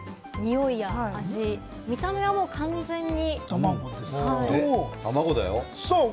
においや味、見た目はもう完全に。